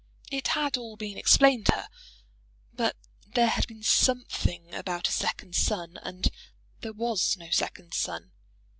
It had all been explained to her; but there had been something about a second son, and there was no second son.